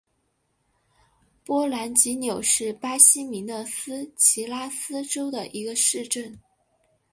皮兰吉纽是巴西米纳斯吉拉斯州的一个市镇。